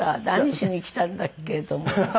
何しに来たんだっけ？と思って。